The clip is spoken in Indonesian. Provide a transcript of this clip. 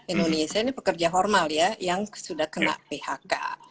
indonesia ini pekerja formal ya yang sudah kena phk